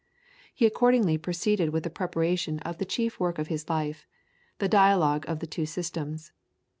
He accordingly proceeded with the preparation of the chief work of his life, "The Dialogue of the two Systems."